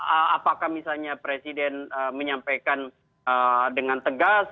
apakah misalnya presiden menyampaikan dengan tegas